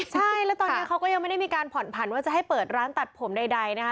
ใช่แล้วตอนนี้เขาก็ยังไม่ได้มีการผ่อนผันว่าจะให้เปิดร้านตัดผมใดนะคะ